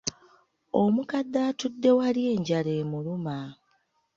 Omukadde atudde wali enjala emuluma.